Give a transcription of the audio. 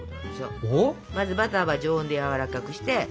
まずバターは常温でやわらかくして。